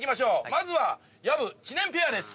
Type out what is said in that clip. まずは薮・知念ペアです。